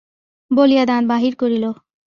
বলিয়া দাঁত বাহির করিল।